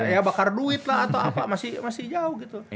ya bakar duit lah atau apa masih jauh gitu